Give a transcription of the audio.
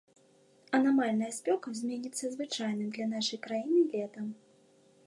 Анамальная спёка зменіцца звычайным для нашай краіны летам.